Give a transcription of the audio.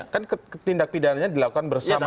kan tindak pidananya dilakukan bersama